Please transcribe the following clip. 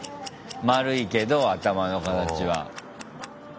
丸いけど頭の形は。